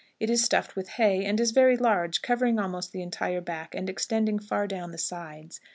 It is stuffed with hay, and is very large, covering almost the entire back, and extending far down the sides.